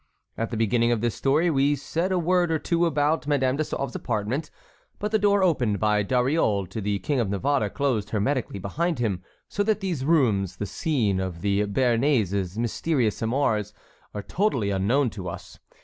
At the beginning of this story we said a word or two about Madame de Sauve's apartment; but the door opened by Dariole to the King of Navarre closed hermetically behind him, so that these rooms, the scene of the Béarnais's mysterious amours, are totally unknown to us.